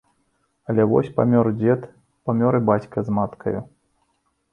Але вось памёр дзед, памёр і бацька з маткаю.